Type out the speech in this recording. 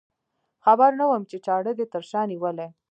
خبر نه وم چې چاړه دې تر شا نیولې.